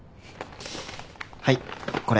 はいこれ。